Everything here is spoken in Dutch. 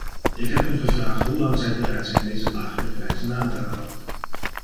Ik heb hun gevraagd hoelang zij bereid zijn deze lagere prijzen aan te houden.